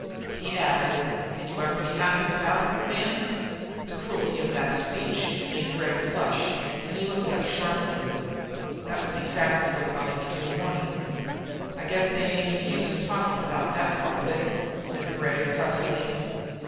He added: "Can you ever be happy without her, man?" The cruelty of that speech made Gregg flush and look up sharply. This was exactly what Ronicky Doone wanted. "I guess they ain't any use talking about that part of it," said Gregg huskily.